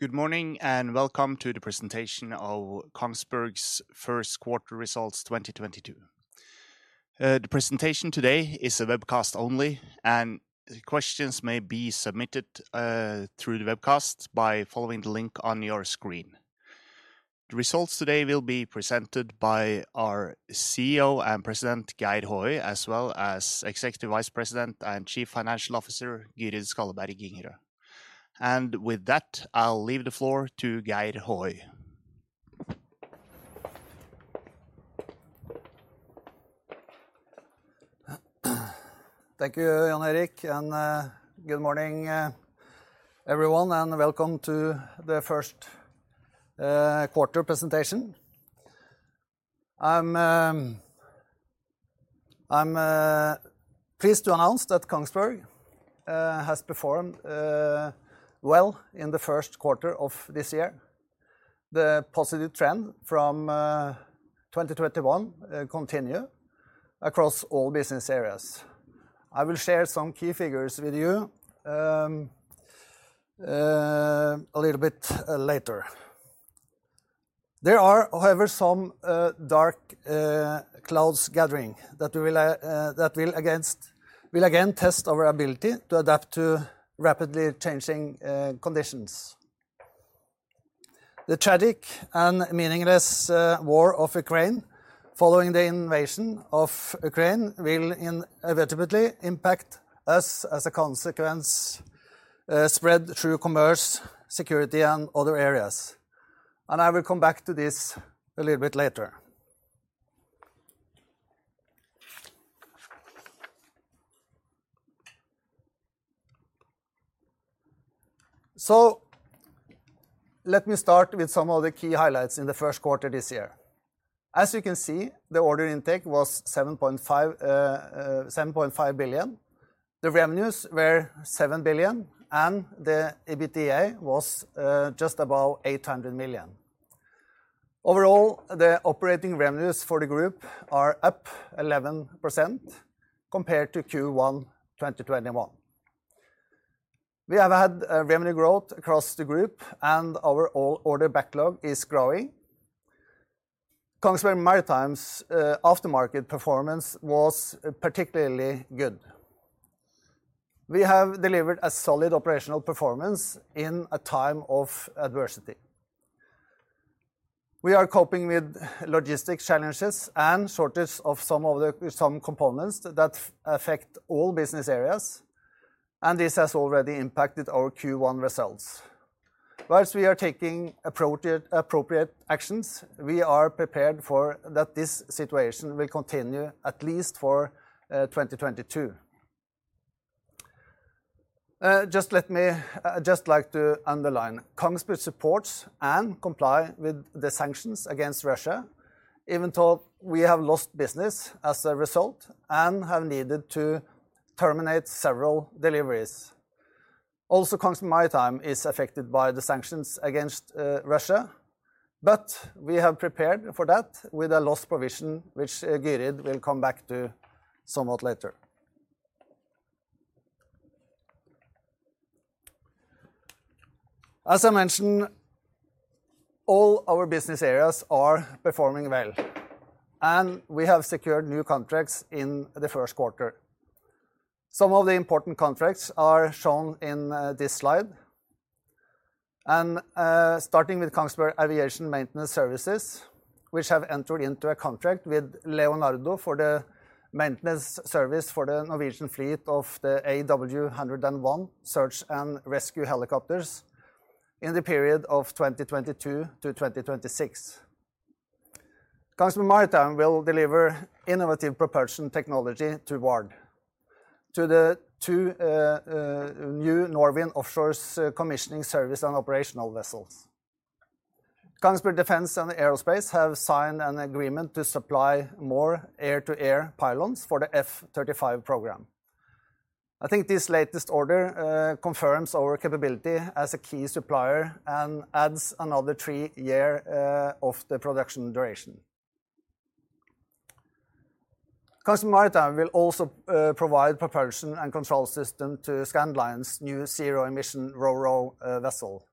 Good morning, and welcome to the presentation of Kongsberg's Q1 results 2022. The presentation today is a webcast only, and questions may be submitted through the webcast by following the link on your screen. The results today will be presented by our CEO and President, Geir Håøy, as well as Executive Vice President and Chief Financial Officer, Gyrid Skalleberg Ingerø. With that, I'll leave the floor to Geir Håøy. Thank you, Jan Erik, and good morning, everyone, and welcome to the Q1 presentation. I'm pleased to announce that Kongsberg has performed well in the Q1 of this year. The positive trend from 2021 continues across all business areas. I will share some key figures with you a little bit later. There are, however, some dark clouds gathering that will again test our ability to adapt to rapidly changing conditions. The tragic and meaningless war in Ukraine following the invasion of Ukraine will inevitably impact us as a consequence spread through commerce, security, and other areas, and I will come back to this a little bit later. Let me start with some of the key highlights in the Q1 this year. As you can see, the order intake was 7.5 billion, the revenues were 7 billion, and the EBITDA was just about 800 million. Overall, the operating revenues for the group are up 11% compared to Q1 2021. We have had a revenue growth across the group and our overall order backlog is growing. Kongsberg Maritime's aftermarket performance was particularly good. We have delivered a solid operational performance in a time of adversity. We are coping with logistics challenges and shortage of some of the components that affect all business areas, and this has already impacted our Q1 results. While we are taking appropriate actions, we are prepared for that this situation will continue at least for 2022. I'd just like to underline, Kongsberg supports and comply with the sanctions against Russia, even though we have lost business as a result and have needed to terminate several deliveries. Also, Kongsberg Maritime is affected by the sanctions against Russia, but we have prepared for that with a loss provision which Gyrid will come back to somewhat later. As I mentioned, all our business areas are performing well, and we have secured new contracts in the Q1. Some of the important contracts are shown in this slide. Starting with Kongsberg Aviation Maintenance Services, which have entered into a contract with Leonardo for the maintenance service for the Norwegian fleet of the AW101 search and rescue helicopters in the period of 2022 to 2026. Kongsberg Maritime will deliver innovative propulsion technology to VARD, to the two new Norwind Offshore commissioning service and operational vessels. Kongsberg Defence & Aerospace have signed an agreement to supply more air-to-air pylons for the F-35 program. I think this latest order confirms our capability as a key supplier and adds another three year of the production duration. Kongsberg Maritime will also provide propulsion and control system to Scandlines' new zero-emission RoRo vessel.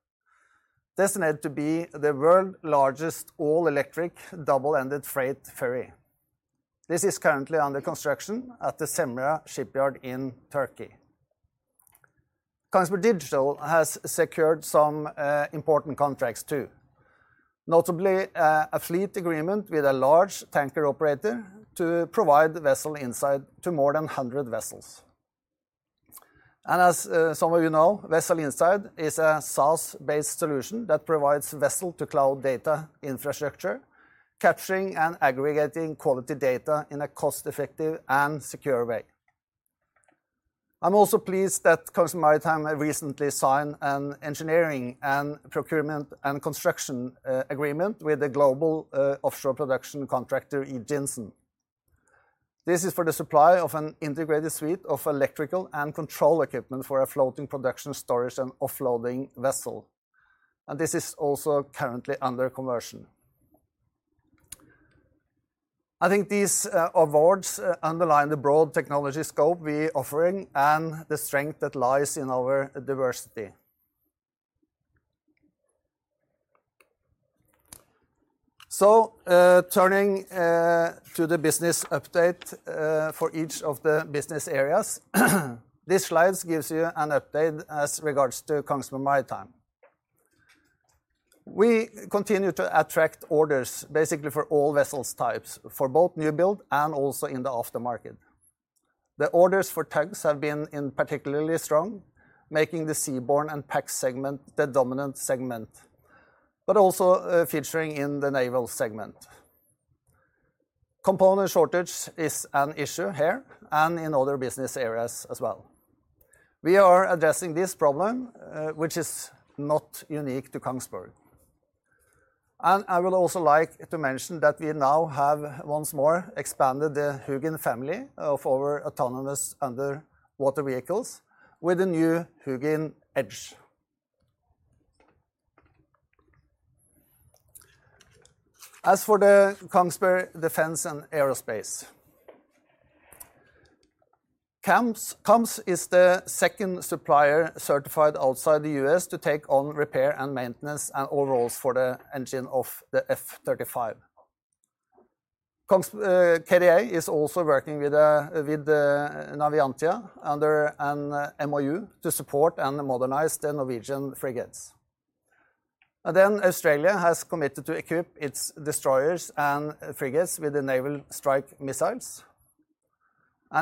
Destined to be the world largest all-electric, double-ended freight ferry. This is currently under construction at the Cemre Shipyard in Turkey. Kongsberg Digital has secured some important contracts too. Notably, a fleet agreement with a large tanker operator to provide Vessel Insight to more than 100 vessels. As some of you know, Vessel Insight is a SaaS-based solution that provides vessel-to-cloud data infrastructure, capturing and aggregating quality data in a cost-effective and secure way. I'm also pleased that Kongsberg Maritime have recently signed an engineering and procurement and construction agreement with the global offshore production contractor, Yinson. This is for the supply of an integrated suite of electrical and control equipment for a floating production storage and offloading vessel, and this is also currently under conversion. I think these awards underline the broad technology scope we offering and the strength that lies in our diversity. Turning to the business update for each of the business areas, this slide gives you an update as regards to Kongsberg Maritime. We continue to attract orders basically for all vessel types, for both new build and also in the after market. The orders for tugs have been in particularly strong, making the Seaborne & Pax segment the dominant segment, but also featuring in the naval segment. Component shortage is an issue here and in other business areas as well. We are addressing this problem, which is not unique to Kongsberg. I would also like to mention that we now have once more expanded the HUGIN family of our autonomous underwater vehicles with the new HUGIN Edge. As for the Kongsberg Defence & Aerospace, KAMS is the second supplier certified outside the U.S. to take on repair and maintenance and overhauls for the engine of the F-35. KDA is also working with Navantia under an MOU to support and modernize the Norwegian frigates. Then Australia has committed to equip its destroyers and frigates with the Naval Strike Missiles.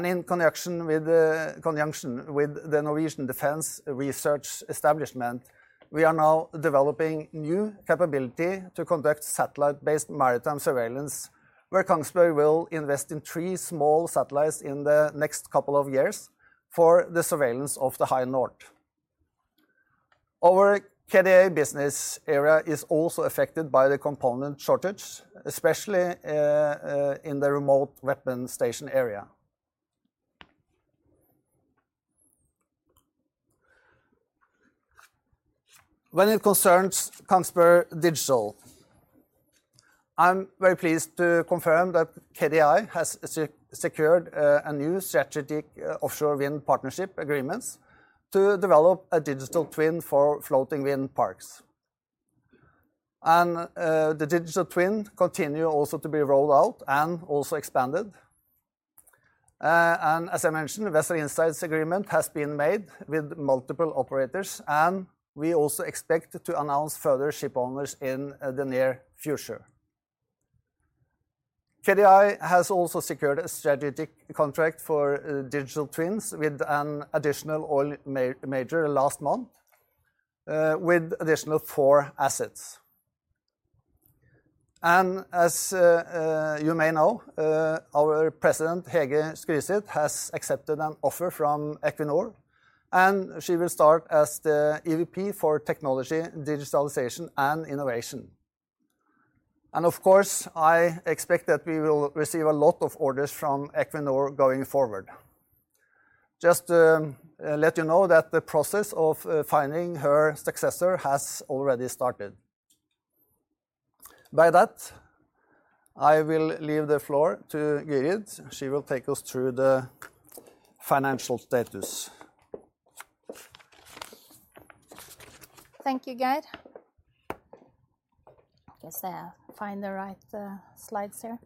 In connection with the. conjunction with the Norwegian Defence Research Establishment, we are now developing new capability to conduct satellite-based maritime surveillance, where Kongsberg will invest in three small satellites in the next couple of years for the surveillance of the High North. Our KDA business area is also affected by the component shortage, especially in the Remote Weapon Station area. When it concerns Kongsberg Digital, I'm very pleased to confirm that KDI has secured a new strategic offshore wind partnership agreements to develop a digital twin for floating wind parks. The digital twin continue also to be rolled out and also expanded. As I mentioned, Vessel Insight agreement has been made with multiple operators, and we also expect to announce further ship owners in the near future. KDI has also secured a strategic contract for digital twins with an additional oil major last month with additional four assets. As you may know, our president, Hege Skryseth, has accepted an offer from Equinor, and she will start as the EVP for Technology, Digitalization and Innovation. Of course, I expect that we will receive a lot of orders from Equinor going forward. Just let you know that the process of finding her successor has already started. With that, I will leave the floor to Gyrid. She will take us through the financial status. Thank you, Geir. Just find the right slides here.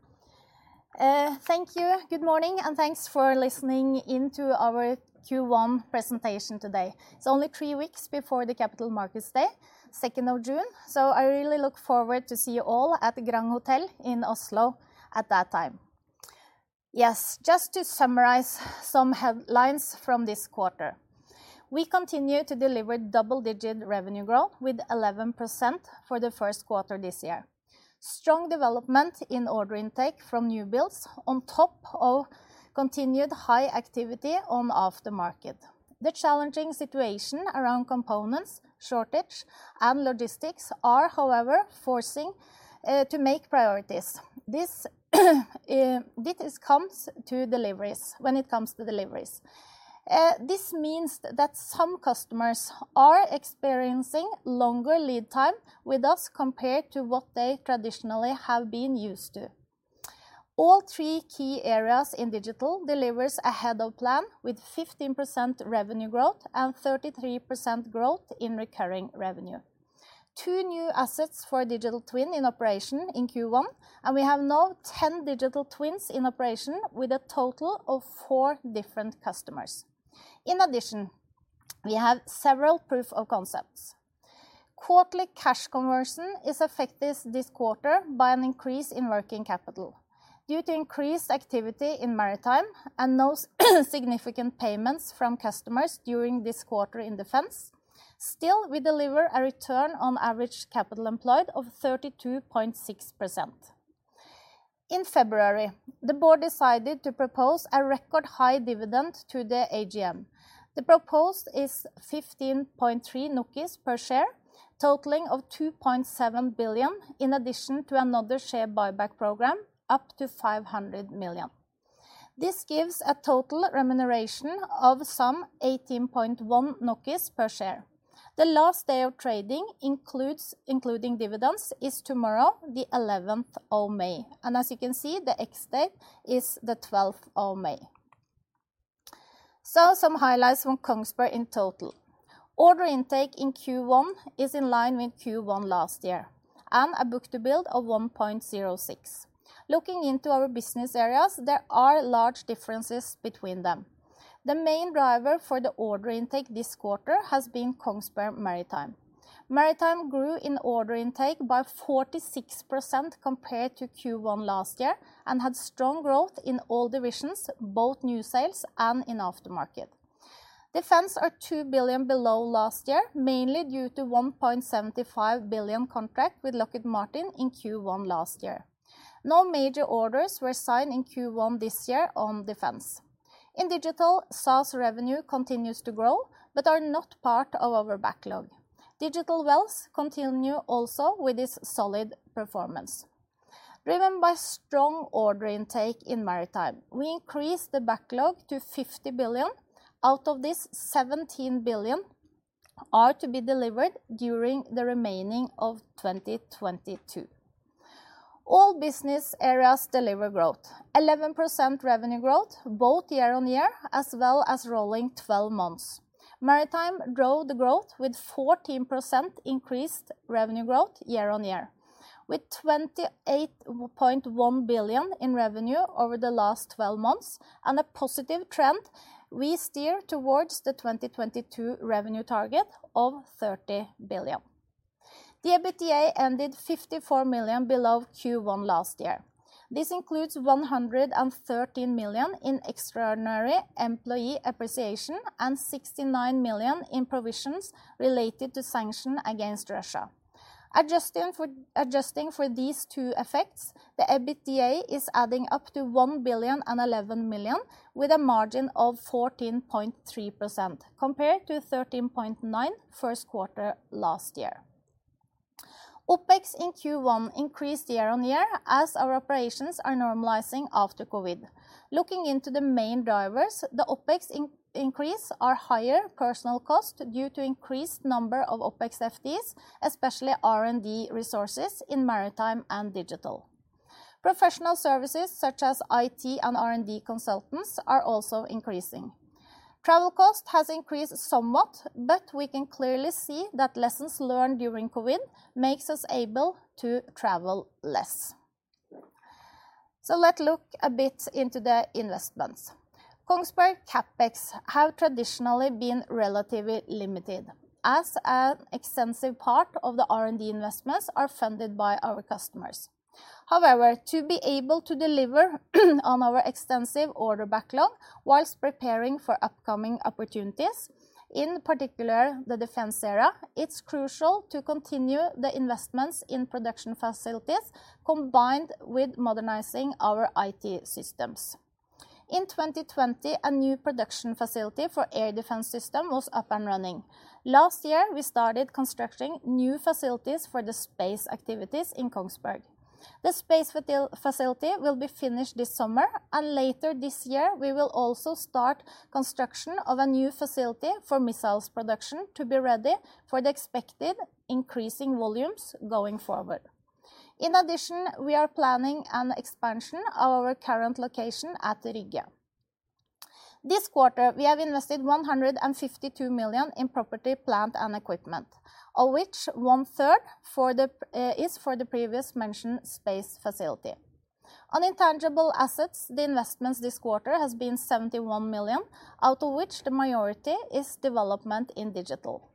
Thank you. Good morning, and thanks for listening in to our Q1 presentation today. It's only three weeks before the Capital Markets Day, 2nd of June, so I really look forward to see you all at the Grand Hotel in Oslo at that time. Yes, just to summarize some headlines from this quarter. We continue to deliver double-digit revenue growth with 11% for the Q1 this year. Strong development in order intake from new builds on top of continued high activity on aftermarket. The challenging situation around components, shortage and logistics are, however, forcing to make priorities. This comes to deliveries when it comes to deliveries. This means that some customers are experiencing longer lead time with us compared to what they traditionally have been used to. All three key areas in Digital delivers ahead of plan with 15% revenue growth and 33% growth in recurring revenue. Two new assets for digital twin in operation in Q1, and we have now 10 digital twins in operation with a total of four different customers. In addition, we have several proof of concepts. Quarterly cash conversion is affected this quarter by an increase in working capital due to increased activity in Maritime and no significant payments from customers during this quarter in Defense. Still, we deliver a return on average capital employed of 32.6%. In February, the board decided to propose a record high dividend to the AGM. The proposed is 15.3 NOK per share, total of 2.7 billion, in addition to another share buyback program up to 500 million. This gives a total remuneration of some 18.1 NOK per share. The last day of trading including dividends is tomorrow, the eleventh of May. As you can see, the ex-date is the twelfth of May. Some highlights from Kongsberg in total. Order intake in Q1 is in line with Q1 last year, and a book-to-bill of 1.06. Looking into our business areas, there are large differences between them. The main driver for the order intake this quarter has been Kongsberg Maritime. Maritime grew in order intake by 46% compared to Q1 last year and had strong growth in all divisions, both new sales and in aftermarket. Defence is 2 billion below last year, mainly due to 1.75 billion contract with Lockheed Martin in Q1 last year. No major orders were signed in Q1 this year on Defence. In Digital, SaaS revenue continues to grow but is not part of our backlog. Digital will continue also with this solid performance. Driven by strong order intake in Maritime, we increased the backlog to 50 billion. Out of this, 17 billion are to be delivered during the remaining of 2022. All business areas deliver growth. 11% revenue growth both year-on-year as well as rolling twelve months. Maritime drove the growth with 14% increased revenue growth year-on-year. With 28.1 billion in revenue over the last twelve months and a positive trend, we steer towards the 2022 revenue target of 30 billion. The EBITDA ended 54 million below Q1 last year. This includes 113 million in extraordinary employee appreciation and 69 million in provisions related to sanctions against Russia. Adjusting for these two effects, the EBITDA is adding up to 1,011 million, with a margin of 14.3% compared to 13.9% Q1 last year. OpEx in Q1 increased year-on-year as our operations are normalizing after COVID. Looking into the main drivers, the OpEx increase are higher personnel cost due to increased number of OpEx FTEs, especially R&D resources in Maritime and Digital. Professional services such as IT and R&D consultants are also increasing. Travel cost has increased somewhat, but we can clearly see that lessons learned during COVID makes us able to travel less. Let’s look a bit into the investments. Kongsberg CapEx have traditionally been relatively limited, as an extensive part of the R&D investments are funded by our customers. However, to be able to deliver on our extensive order backlog while preparing for upcoming opportunities, in particular the defense area, it's crucial to continue the investments in production facilities combined with modernizing our IT systems. In 2020, a new production facility for air defense system was up and running. Last year, we started constructing new facilities for the space activities in Kongsberg. The space facility will be finished this summer, and later this year we will also start construction of a new facility for missile production to be ready for the expected increasing volumes going forward. In addition, we are planning an expansion of our current location at Rygge. This quarter, we have invested 152 million in property, plant, and equipment, of which one-third is for the previously mentioned space facility. On intangible assets, the investments this quarter has been 71 million, out of which the majority is development in Digital.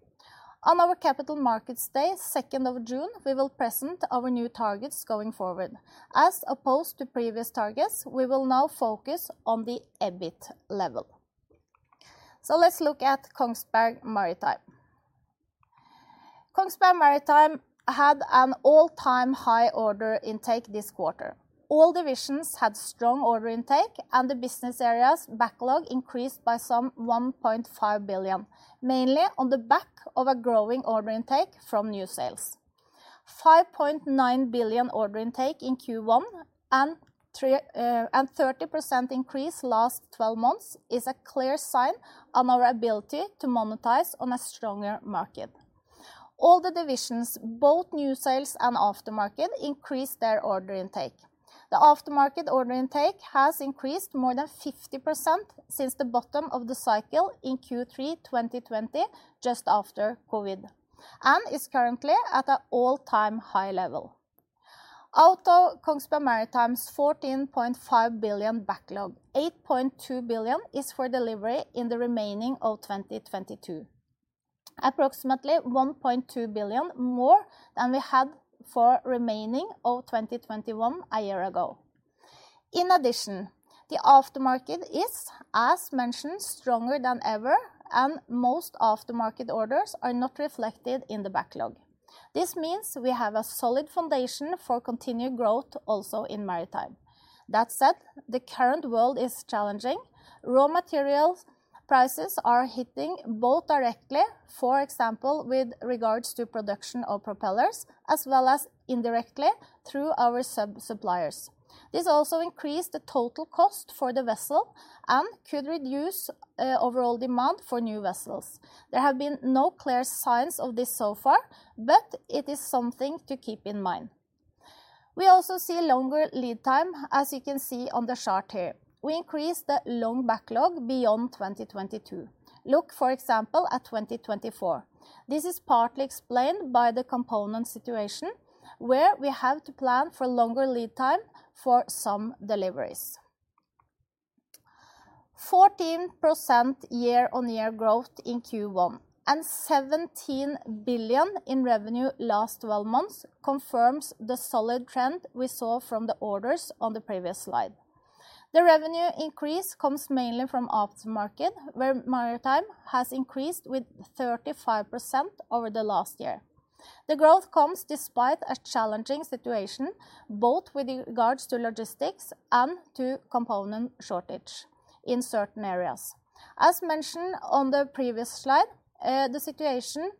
On our Capital Markets Day, second of June, we will present our new targets going forward. As opposed to previous targets, we will now focus on the EBIT level. Let's look at Kongsberg Maritime. Kongsberg Maritime had an all-time high order intake this quarter. All divisions had strong order intake, and the business areas backlog increased by some 1.5 billion, mainly on the back of a growing order intake from new sales. 5.9 billion order intake in Q1 and 30% increase last twelve months is a clear sign of our ability to monetize on a stronger market. All the divisions, both new sales and aftermarket, increased their order intake. The aftermarket order intake has increased more than 50% since the bottom of the cycle in Q3 2020, just after COVID, and is currently at an all-time high level. Out of Kongsberg Maritime's 14.5 billion backlog, 8.2 billion is for delivery in the remaining of 2022, approximately 1.2 billion more than we had for remaining of 2021 a year ago. In addition, the aftermarket is, as mentioned, stronger than ever, and most aftermarket orders are not reflected in the backlog. This means we have a solid foundation for continued growth also in Maritime. That said, the current world is challenging. Raw material prices are hitting both directly, for example, with regards to production of propellers, as well as indirectly through our sub suppliers. This also increased the total cost for the vessel and could reduce overall demand for new vessels. There have been no clear signs of this so far, but it is something to keep in mind. We also see longer lead time, as you can see on the chart here. We increased the long backlog beyond 2022. Look, for example, at 2024. This is partly explained by the component situation where we have to plan for longer lead time for some deliveries. 14% year-on-year growth in Q1 and 17 billion in revenue last twelve months confirms the solid trend we saw from the orders on the previous slide. The revenue increase comes mainly from aftermarket, where Maritime has increased with 35% over the last year. The growth comes despite a challenging situation, both with regards to logistics and to component shortage in certain areas. As mentioned on the previous slide, the situation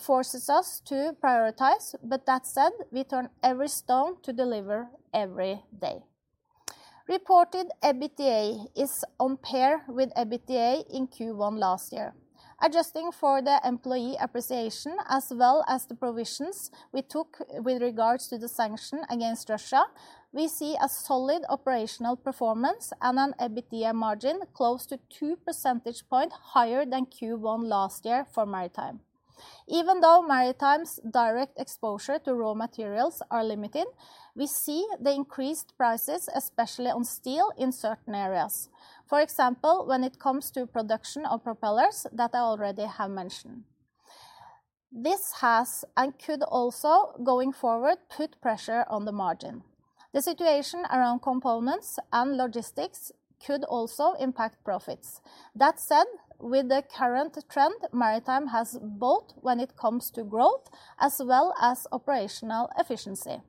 forces us to prioritize. That said, we turn every stone to deliver every day. Reported EBITDA is on par with EBITDA in Q1 last year. Adjusting for the employee appreciation as well as the provisions we took with regards to the sanction against Russia, we see a solid operational performance and an EBITDA margin close to 2 percentage points higher than Q1 last year for Maritime. Even though Maritime's direct exposure to raw materials are limited, we see the increased prices, especially on steel in certain areas. For example, when it comes to production of propellers that I already have mentioned. This has and could also going forward put pressure on the margin. The situation around components and logistics could also impact profits. That said, with the current trend, Maritime has both when it comes to growth as well as operational efficiency.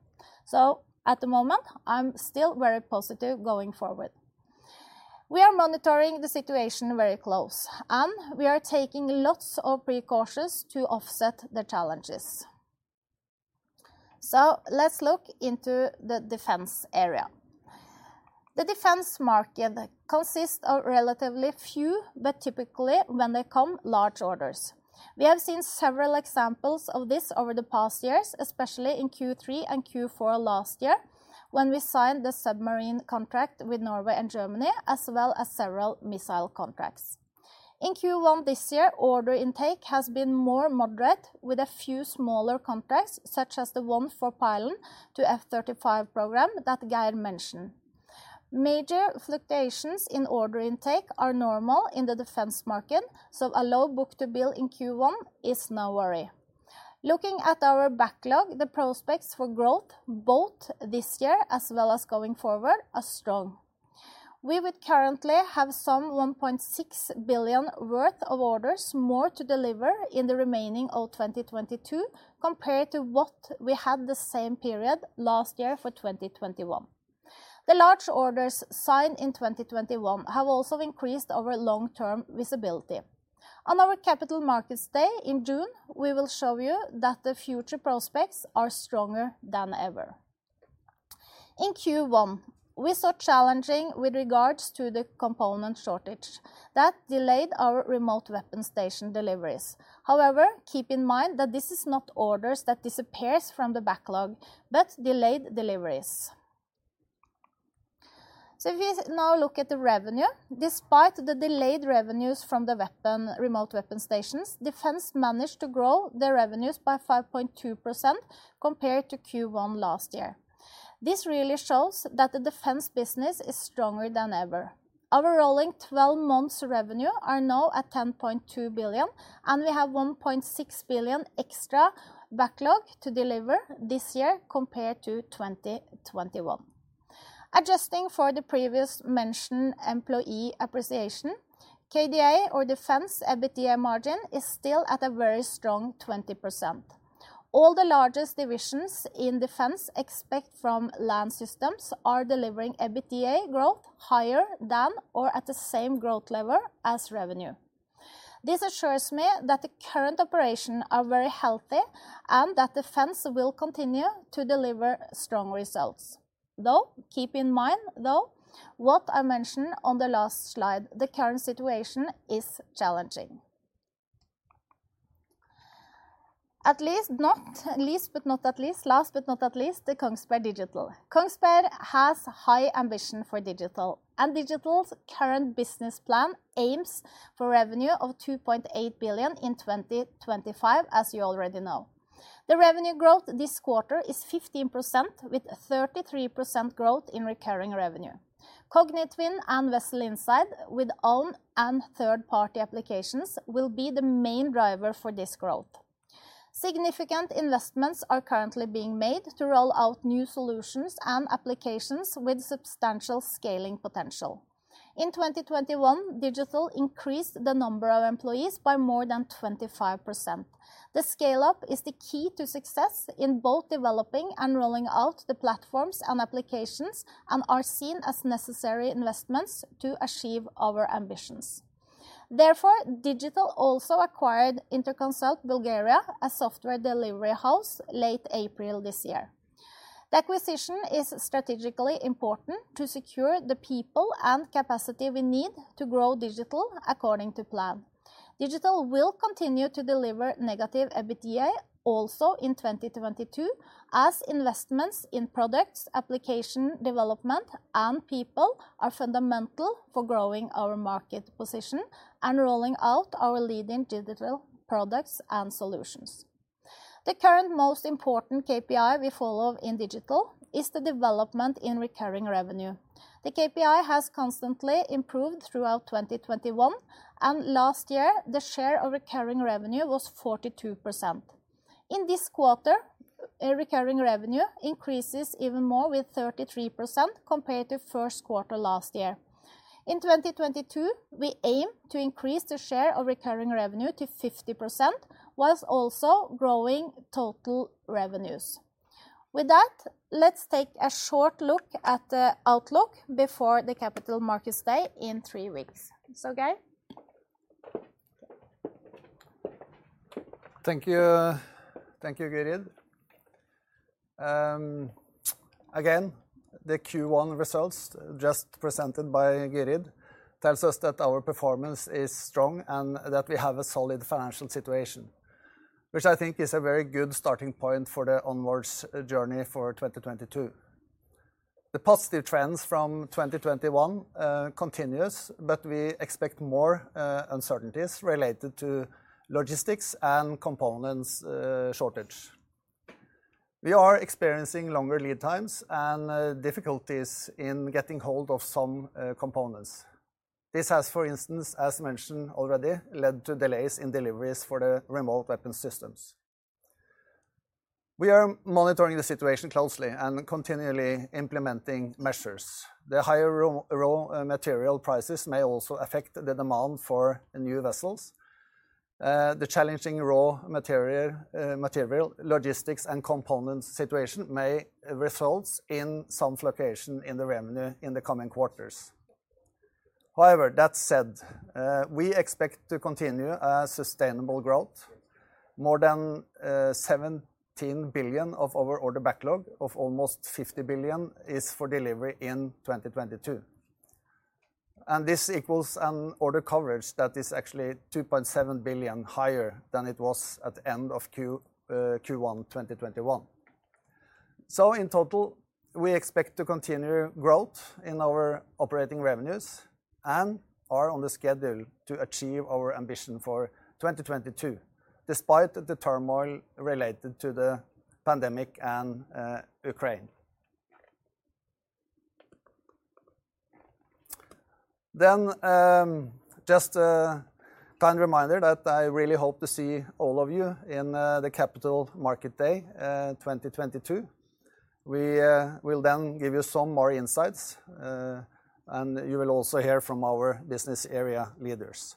At the moment I'm still very positive going forward. We are monitoring the situation very close, and we are taking lots of precautions to offset the challenges. Let's look into the Defence area. The Defence market consists of relatively few, but typically when they come large orders. We have seen several examples of this over the past years, especially in Q3 and Q4 last year when we signed the submarine contract with Norway and Germany, as well as several missile contracts. In Q1 this year, order intake has been more moderate, with a few smaller contracts such as the one for pylon to F-35 program that Geir mentioned. Major fluctuations in order intake are normal in the defense market, so a low book to bill in Q1 is no worry. Looking at our backlog, the prospects for growth both this year as well as going forward are strong. We would currently have some 1.6 billion worth of orders more to deliver in the remaining of 2022 compared to what we had the same period last year for 2021. The large orders signed in 2021 have also increased our long-term visibility. On our Capital Markets Day in June, we will show you that the future prospects are stronger than ever. In Q1, we saw challenges with regards to the component shortage that delayed our remote weapon station deliveries. However, keep in mind that this is not orders that disappears from the backlog, but delayed deliveries. If you now look at the revenue, despite the delayed revenues from the remote weapon stations, Defence managed to grow their revenues by 5.2% compared to Q1 last year. This really shows that the Defence business is stronger than ever. Our rolling twelve months revenue are now at 10.2 billion, and we have 1.6 billion extra backlog to deliver this year compared to 2021. Adjusting for the previously mentioned employee appreciation, KDA or Defence EBITDA margin is still at a very strong 20%. All the largest divisions in Defense except from Land Systems are delivering EBITDA growth higher than or at the same growth level as revenue. This assures me that the current operations are very healthy and that Defense will continue to deliver strong results. Keep in mind what I mentioned on the last slide, the current situation is challenging. Last but not least, the Kongsberg Digital. Kongsberg has high ambition for Digital, and Digital's current business plan aims for revenue of 2.8 billion in 2025, as you already know. The revenue growth this quarter is 15% with 33% growth in recurring revenue. Kognitwin and Vessel Insight with own and third-party applications will be the main driver for this growth. Significant investments are currently being made to roll out new solutions and applications with substantial scaling potential. In 2021, Digital increased the number of employees by more than 25%. The scale-up is the key to success in both developing and rolling out the platforms and applications and are seen as necessary investments to achieve our ambitions. Therefore, Digital also acquired Interconsult Bulgaria, a software delivery house, late April this year. The acquisition is strategically important to secure the people and capacity we need to grow Digital according to plan. Digital will continue to deliver negative EBITDA also in 2022 as investments in products, application development, and people are fundamental for growing our market position and rolling out our leading digital products and solutions. The current most important KPI we follow in Digital is the development in recurring revenue. The KPI has constantly improved throughout 2021, and last year, the share of recurring revenue was 42%. In this quarter, recurring revenue increases even more with 33% compared to Q1 last year. In 2022, we aim to increase the share of recurring revenue to 50% while also growing total revenues. With that, let's take a short look at the outlook before the Capital Markets Day in three weeks. Okay. Thank you. Thank you, Gyrid. Again, the Q1 results just presented by Gyrid tells us that our performance is strong and that we have a solid financial situation, which I think is a very good starting point for the onward journey for 2022. The positive trends from 2021 continues, but we expect more uncertainties related to logistics and components shortage. We are experiencing longer lead times and difficulties in getting hold of some components. This has, for instance, as mentioned already, led to delays in deliveries for the remote weapon systems. We are monitoring the situation closely and continually implementing measures. The higher raw material prices may also affect the demand for new vessels. The challenging raw material logistics and components situation may result in some fluctuation in the revenue in the coming quarters. However, that said, we expect to continue a sustainable growth. More than 17 billion of our order backlog of almost 50 billion is for delivery in 2022. This equals an order coverage that is actually 2.7 billion higher than it was at the end of Q1 2021. In total, we expect to continue growth in our operating revenues and are on the schedule to achieve our ambition for 2022, despite the turmoil related to the pandemic and Ukraine. Just a kind reminder that I really hope to see all of you in the Capital Market Day 2022. We will then give you some more insights, and you will also hear from our business area leaders.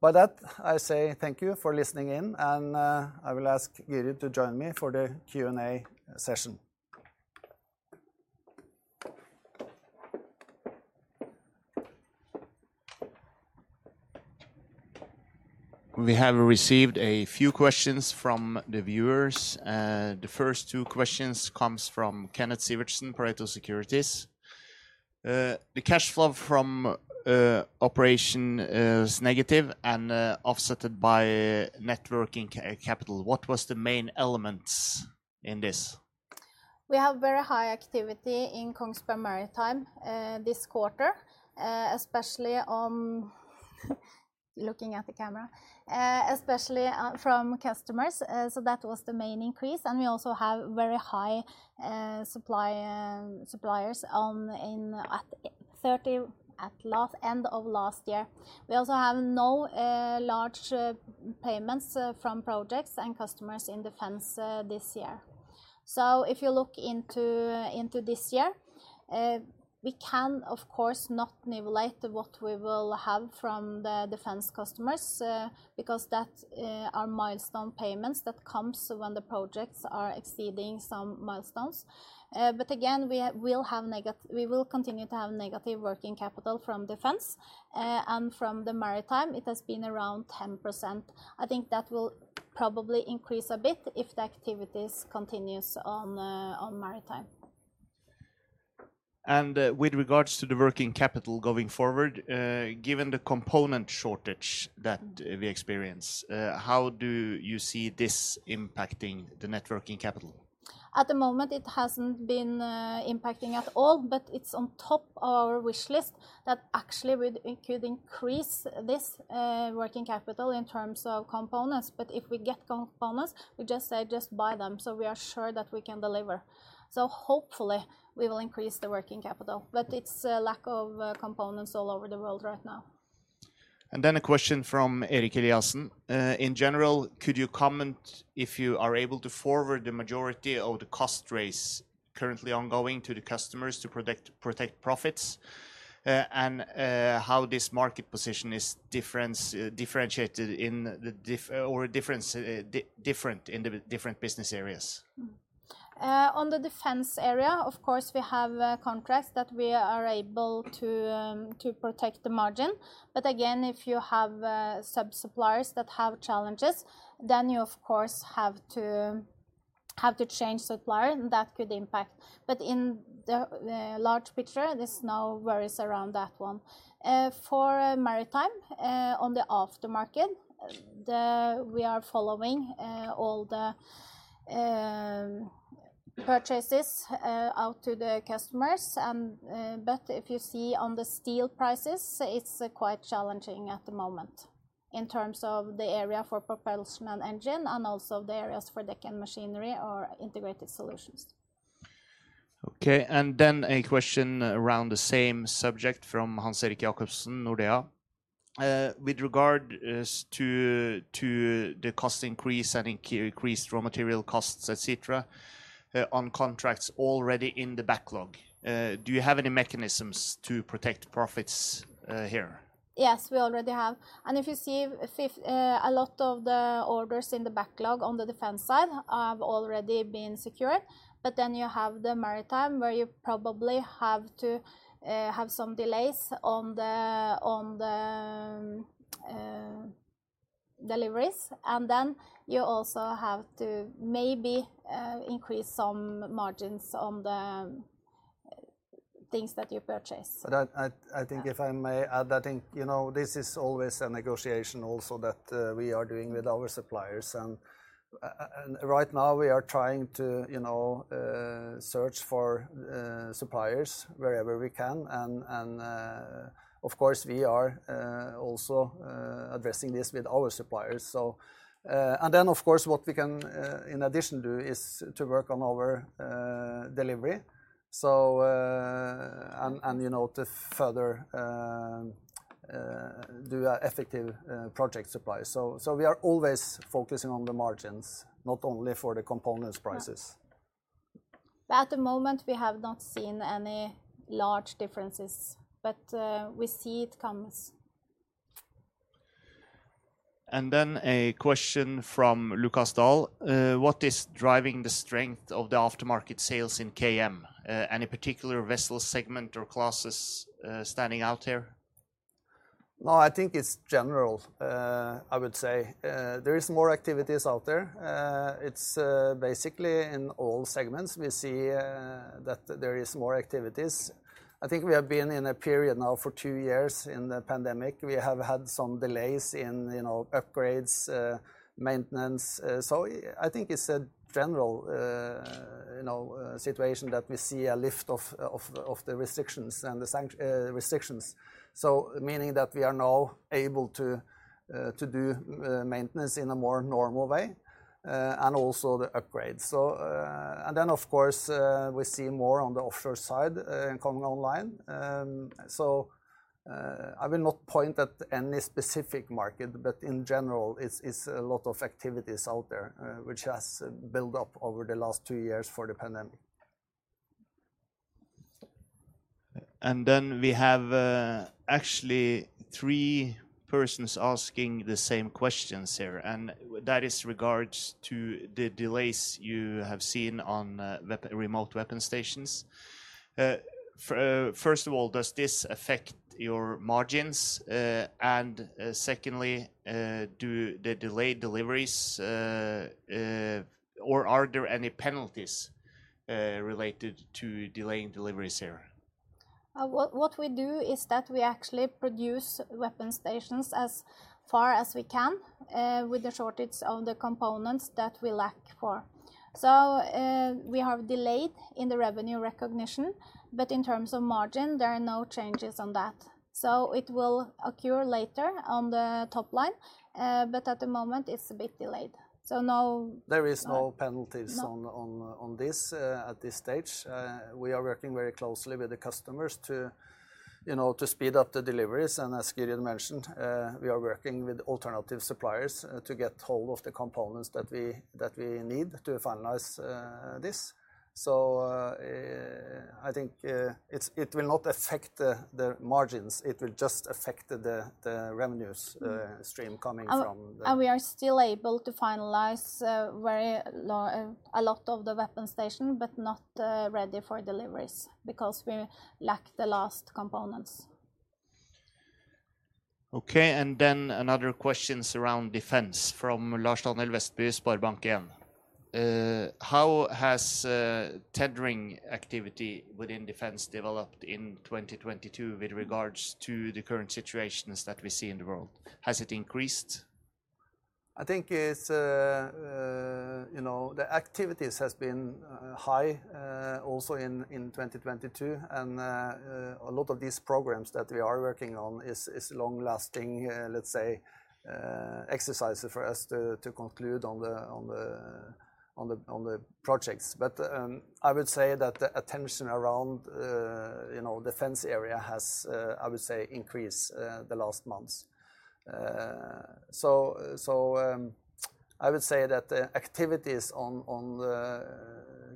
By that, I say thank you for listening in, and I will ask Gyrid to join me for the Q&A session. We have received a few questions from the viewers. The first two questions comes from Kenneth Sivertsen, Pareto Securities. The cash flow from operation is negative and offsetted by net working capital. What was the main elements in this? We have very high activity in Kongsberg Maritime this quarter, especially from customers, so that was the main increase, and we also have very high inventory at the end of last year. We also have no large payments from projects and customers in Defence this year. If you look into this year, we can of course not manipulate what we will have from the Defence customers, because that are milestone payments that comes when the projects are exceeding some milestones. Again, we will continue to have negative working capital from Defence. From the Maritime, it has been around 10%. I think that will probably increase a bit if the activities continues on Maritime. With regards to the working capital going forward, given the component shortage that we experience, how do you see this impacting the net working capital? At the moment, it hasn't been impacting at all, but it's on top of our wish list that actually we could increase this working capital in terms of components. If we get components, we just say, "Just buy them," so we are sure that we can deliver. Hopefully we will increase the working capital, but it's a lack of components all over the world right now. A question from Eirik Hjertaker. In general, could you comment if you are able to forward the majority of the cost increases currently ongoing to the customers to protect profits, and how this market position is differentiated in the different business areas? On the Defence area, of course, we have contracts that we are able to protect the margin. Again, if you have sub-suppliers that have challenges, then you, of course, have to change supplier and that could impact. In the large picture, there's no worries around that one. For Maritime, on the after market, we are following all the purchases out to the customers and but if you see on the steel prices, it's quite challenging at the moment in terms of the area for propulsion and engine and also the areas for deck and machinery or integrated solutions. A question around the same subject from Hans-Erik Jacobsen, Nordea. With regard to the cost increase and increased raw material costs, et cetera, on contracts already in the backlog, do you have any mechanisms to protect profits here? Yes, we already have. If you see a lot of the orders in the backlog on the defense side have already been secured, but then you have the Maritime where you probably have to have some delays on the deliveries and then you also have to maybe increase some margins on the things that you purchase. I think if I may add, I think you know this is always a negotiation also that we are doing with our suppliers and right now we are trying to you know search for suppliers wherever we can and of course we are also addressing this with our suppliers. What we can in addition do is to work on our delivery so to further do an effective project supply. We are always focusing on the margins, not only for the components prices. At the moment we have not seen any large differences, but we see it comes. A question from Lukas Dahl. What is driving the strength of the aftermarket sales in KM? Any particular vessel segment or classes standing out here? No, I think it's general, I would say. There is more activities out there. It's basically in all segments we see that there is more activities. I think we have been in a period now for two years in the pandemic. We have had some delays in, you know, upgrades, maintenance, so I think it's a general, you know, situation that we see a lift of the restrictions and the restrictions. Meaning that we are now able to do maintenance in a more normal way, and also the upgrades. Of course, we see more on the offshore side coming online. I will not point at any specific market, but in general it's a lot of activities out there, which has built up over the last two years for the pandemic. We have actually three persons asking the same questions here, and that is regarding the delays you have seen on Remote Weapon Stations. First of all, does this affect your margins? Secondly, do the delayed deliveries or are there any penalties related to delaying deliveries here? What we do is that we actually produce weapon stations as far as we can with the shortage of the components that we lack for. We have delayed in the revenue recognition, but in terms of margin, there are no changes on that. It will occur later on the top line, but at the moment it's a bit delayed. There is no penalties. No On this at this stage. We are working very closely with the customers to, you know, to speed up the deliveries and as Gyrid mentioned, we are working with alternative suppliers to get hold of the components that we need to finalize this. I think it will not affect the margins. It will just affect the revenues stream coming from the- We are still able to finalize a lot of the weapon station, but not ready for deliveries because we lack the last components. Okay. Another question around defense from Lars-Daniel Westby, SpareBank 1 Markets. How has tendering activity within defense developed in 2022 with regards to the current situations that we see in the world? Has it increased? I think it's, you know, the activities has been high also in 2022 and a lot of these programs that we are working on is long-lasting, let's say, exercises for us to conclude on the projects. I would say that the attention around, you know, defense area has, I would say, increased the last months. I would say that the activities on the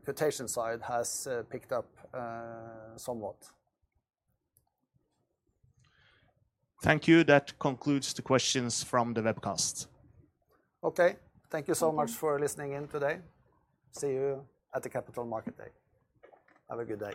quotation side has picked up somewhat. Thank you. That concludes the questions from the webcast. Okay. Thank you so much for listening in today. See you at the Capital Market Day. Have a good day.